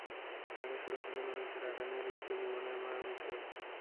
এলাকার সুরক্ষার জন্য রয়েছে রাডার-নির্দেশিত বিমানে মারার মিসাইল।